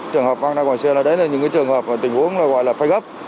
trường hợp mang ra ngoài xe là đấy là những trường hợp tình huống gọi là phai gấp